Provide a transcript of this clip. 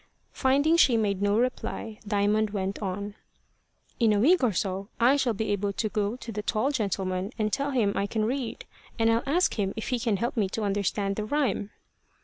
Finding she made no reply, Diamond went on "In a week or so, I shall be able to go to the tall gentleman and tell him I can read. And I'll ask him if he can help me to understand the rhyme."